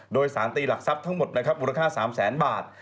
โดยสารตีหลักทรัพย์ทั้งหมดนะครับมูลค่า๓แสนบาท